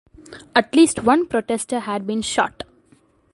At least one protester had been shot.